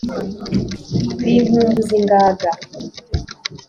binkumbuza ingaga!